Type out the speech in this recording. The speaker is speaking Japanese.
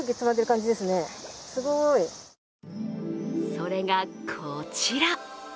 それがこちら。